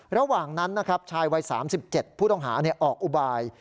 ระหว่างนั้นนะครับชายวัย๓๗ผู้ต้องหาออกอุบาย